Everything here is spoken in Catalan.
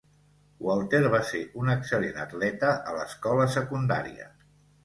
Walter va ser un excel·lent atleta a l'escola secundària.